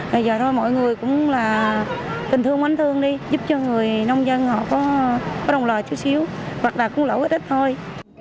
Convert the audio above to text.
bây giờ thôi mọi người cũng là tình thương bánh thương đi giúp cho người nông dân họ có đồng lợi chút xíu hoặc là cũng lỗi ít ít thôi